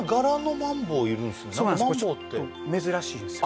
マンボウって珍しいんですよ